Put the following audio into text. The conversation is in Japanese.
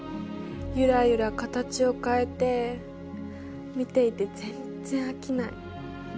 ゆらゆら形を変えて見ていて全然飽きない。